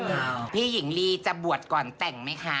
ก็ไม่รู้ว่าจะหามาได้จะบวชก่อนเบียดหรือเปล่า